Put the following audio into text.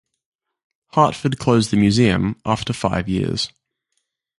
Hartford closed the museum after five years.